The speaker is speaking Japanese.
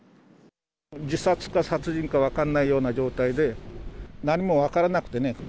自殺か殺人か分かんないような状態で、何も分からなくてね。